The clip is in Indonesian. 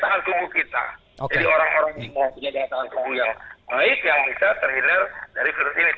tapi juga jangan mungkin ah saya udah makan udah minum jamu ini makan ini makan ini saya kuat mau ngetes ngetes